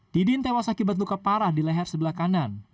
didin tewas akibat luka parah di leher sebelah kanan